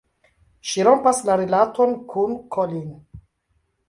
Ŝi rompas la rilaton kun Colin.